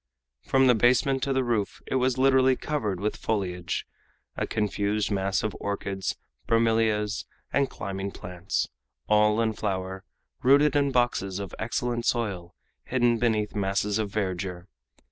From the basement to the roof it was literally covered with foliage. A confused mass of orchids, bromelias, and climbing plants, all in flower, rooted in boxes of excellent soil hidden beneath masses of verdure.